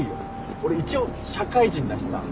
俺一応社会人だしさ。